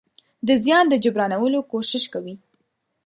د زيان د جبرانولو کوشش کوي.